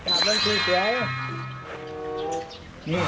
เอากราบดู